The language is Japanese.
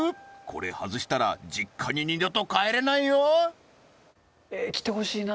これ外したら実家に二度と帰れないよ